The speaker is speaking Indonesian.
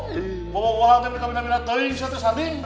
kalau mau ngomong apa yang kamu minta minta tadi bisa tersanding